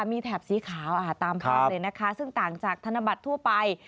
มีแถบสีขาวตามพร้อมเลยซึ่งต่างจากธนบัตรทั่วไป